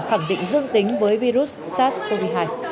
khẳng định dương tính với virus sars cov hai